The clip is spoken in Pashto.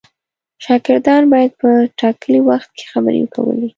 شاګردان باید په ټاکلي وخت کې خبرې کولې.